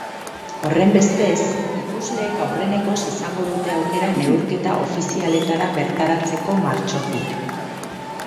Horrenbestez, ikusleek aurrenekoz izango dute aukera neurketa ofizialetara bertaratzeko martxotik.